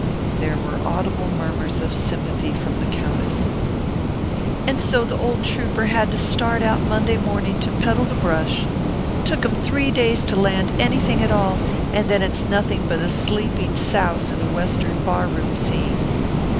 There were audible murmurs of sympathy from the Countess. "And so the old trouper had to start out Monday morning to peddle the brush. Took him three days to land anything at all, and then it's nothing but a sleeping souse in a Western bar room scene.